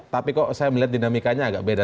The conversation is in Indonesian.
tapi kok saya melihat dinamikanya agak beda